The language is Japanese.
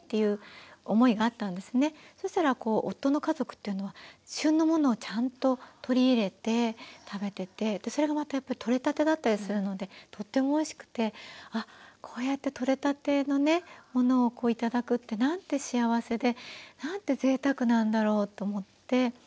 そしたら夫の家族っていうのは旬のものをちゃんと取り入れて食べててそれがまたやっぱり取れたてだったりするのでとってもおいしくてあこうやって取れたてのものを頂くってなんて幸せでなんてぜいたくなんだろうと思って。